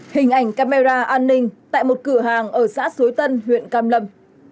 hình ảnh camera an ninh tại một cửa hàng ở xã suối tân huyện cam lâm